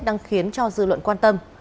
đang khiến cho dư luận quan tâm